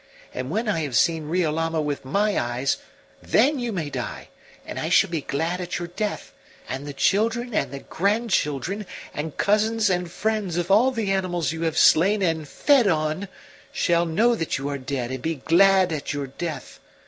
And when I have seen Riolama with my eyes, then you may die, and I shall be glad at your death; and the children and the grandchildren and cousins and friends of all the animals you have slain and fed on shall know that you are dead and be glad at your death.